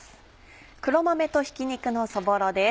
「黒豆とひき肉のそぼろ」です。